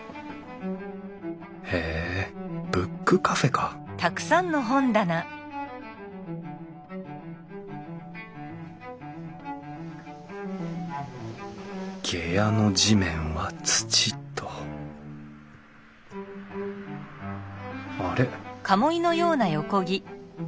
へえブックカフェか下屋の地面は土とあれ？